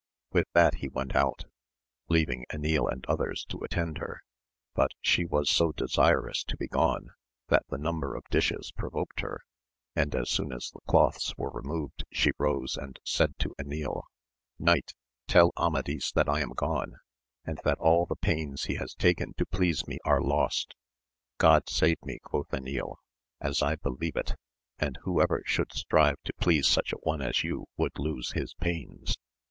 With that he went out, leaving Enil and others to attend her, but she was so desirous to be gone, that the number of dishes provoked her, and as soon as the cloths were removed she rose and said to Enil, Knight, tell Amadis that I am gone, and that all the pains he has taken to please me are lost. God save me, quoth Enil^ as I believe it ! and whoever should strive to please such a one as you would lose his pains.